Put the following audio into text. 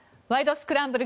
スクランブル」